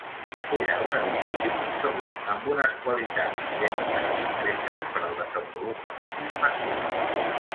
Era un edifici concebut amb unes qualitats higièniques concretes per al desenvolupament infantil.